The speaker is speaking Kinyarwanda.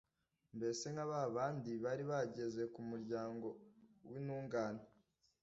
mbese nka ba bandi bari bageze ku muryango w’intungane,